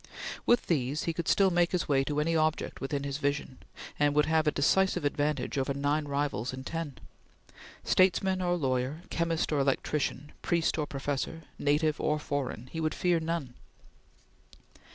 With these he could still make his way to any object within his vision, and would have a decisive advantage over nine rivals in ten. Statesman or lawyer, chemist or electrician, priest or professor, native or foreign, he would fear none.